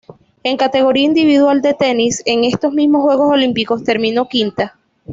En categoría individual de tenis, en estos mismos Juegos Olímpicos, terminó quinta.